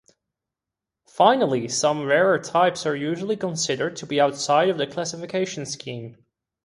Finally, some rarer types are usually considered to be outside of this classification scheme.